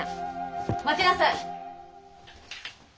待ちなさい！